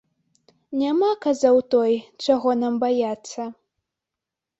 Няма, казаў той, чаго нам баяцца.